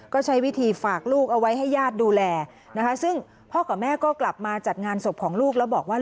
ก็ใช้วิธีฝากลูกเอาไว้ให้ญาติดูแลนะคะซึ่งพ่อกับแม่ก็กลับมาจัดงานศพของลูกแล้วบอกว่า